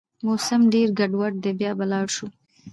موسم ډېر ګډوډ دی، بيا به لاړ شو